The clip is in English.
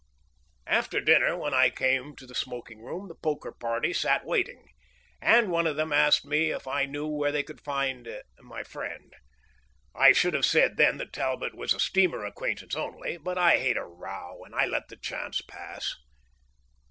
After dinner, when I came to the smoking room, the poker party sat waiting, and one of them asked if I knew where they could find "my friend." I should have said then that Talbot was a steamer acquaintance only; but I hate a row, and I let the chance pass.